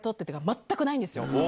全くないんですよ。